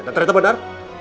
dan ternyata benar